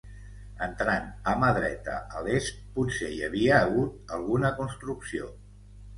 Entrant a mà dreta, a l'est, potser hi havia hagut alguna construcció.